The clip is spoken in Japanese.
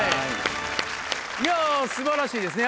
いや素晴らしいですね